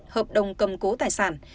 hợp đồng cầm cố tài sản